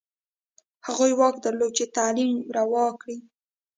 هغوی واک درلود چې تعلیم روا کړي.